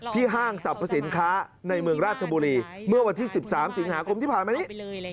ห้างสรรพสินค้าในเมืองราชบุรีเมื่อวันที่๑๓สิงหาคมที่ผ่านมานี้